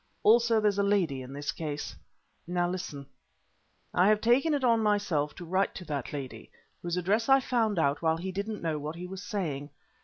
Also there's a lady in this case. Now listen. I have taken it on myself to write to that lady, whose address I found out while he didn't know what he was saying.